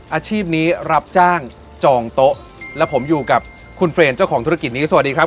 อ่ะเลยรอยจ้างจองโต๊ะแล้วผมอยู่กับคุณเฟรนเจ้าของธุรกิจสวัสดีครับ